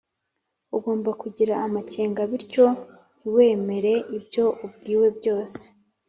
Ugomba kugira amakenga bityo ntiwemere ibyo ubwiwe byose